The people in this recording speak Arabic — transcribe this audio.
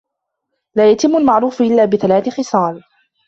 لَا يَتِمُّ الْمَعْرُوفُ إلَّا بِثَلَاثٍ خِصَالٍ